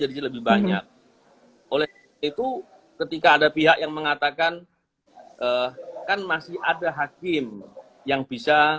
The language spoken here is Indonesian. jadi lebih banyak oleh itu ketika ada pihak yang mengatakan kan masih ada hakim yang bisa